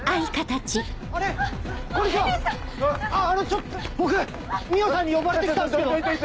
あのちょっと僕海音さんに呼ばれて来たんですけど。